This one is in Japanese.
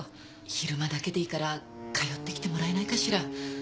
昼間だけでいいから通ってきてもらえないかしら？